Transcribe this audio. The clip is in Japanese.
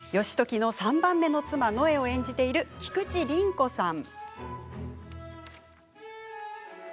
義時の３番目の妻のえを演じている菊地凛子さん。